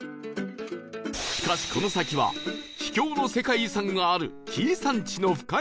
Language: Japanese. しかしこの先は秘境の世界遺産がある紀伊山地の深い山奥